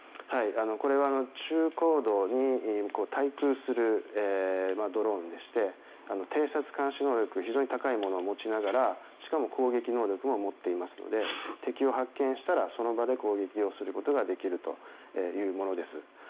これは中高度に滞空するドローンでして偵察監視能力が非常に高いものを持ちながらしかも攻撃能力も持っていますので敵を発見したらその場で攻撃することができるというものです。